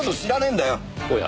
おや。